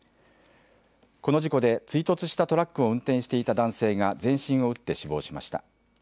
この事故で追突したトラックを運転していた男性が全身を打って死亡しました。